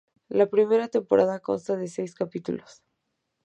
La primera temporada consta de seis capítulos.